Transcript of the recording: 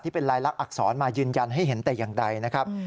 เป็นลายลักษณอักษรมายืนยันให้เห็นแต่อย่างใดนะครับ